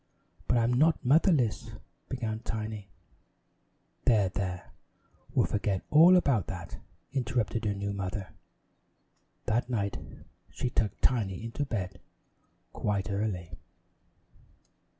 "But I'm not motherless " began Tiny. "There, there, we'll forget about that," interrupted her new mother. That night she tucked Tiny into bed quite early.